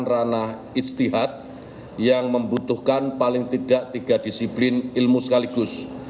ranah istihad yang membutuhkan paling tidak tiga disiplin ilmu sekaligus